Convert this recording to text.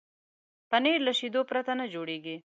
پنېر له شيدو پرته نه جوړېږي.